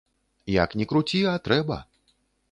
Як ні круці, а трэба.